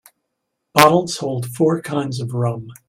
Bottles hold four kinds of rum.